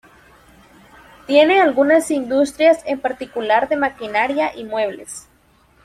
Tiene algunas industrias, en particular de maquinaria y muebles.